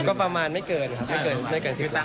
ก็ประมาณไม่เกินครับไม่เกิน๑๐ล้าน